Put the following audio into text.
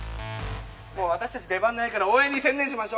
もう私たち出番ないから応援に専念しましょ。